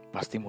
pasti mau marah